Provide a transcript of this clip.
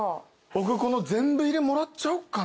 僕この全部入れもらっちゃおうかな。